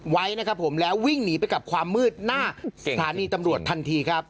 ไว้นะครับผมแล้ววิ่งหนีไปกับความมืดหน้าสถานีตำรวจทันทีครับ